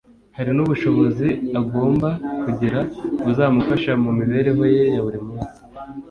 hari n’ubushobozi agomba kugira buzamufasha mu mibereho ye ya buri munsi